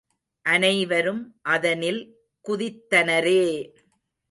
அனைவரும் அதனில் குதித்தனரே!